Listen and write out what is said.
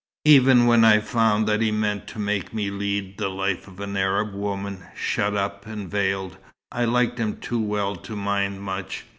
Even when I found that he meant to make me lead the life of an Arab woman, shut up and veiled, I liked him too well to mind much.